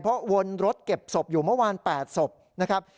เพราะวนรถเก็บศพอยู่เมื่อวาน๘ศพนะครับ